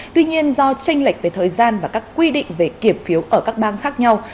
tuy nhiên do tranh lệch về thời gian và các quy định về kiểm phiếu ở các bang khác nhau